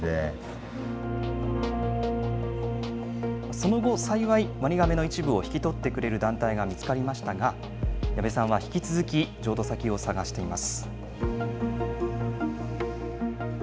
その後、幸い、ワニガメの一部を引き取ってくれる団体が見つかりましたが、矢部さんは引き続き、譲渡先を探しています。